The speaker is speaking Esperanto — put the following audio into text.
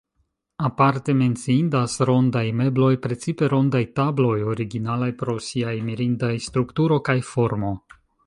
Aparte menciindas rondaj mebloj, precipe rondaj tabloj, originalaj pro siaj mirindaj strukturo kaj formo.